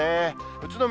宇都宮、